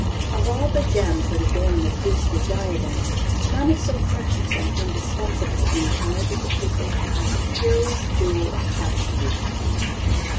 Of all the gems that adorn the priestly diadem, none is so precious and indispensable in the eyes of the people as the peerless jewel of chastity.